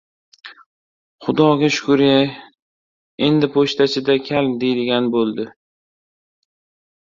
Xudoga shukur-ye, endi pochtachi-da kal deydigan bo‘ldi!